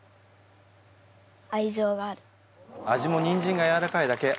味もにんじんがやわらかいだけ。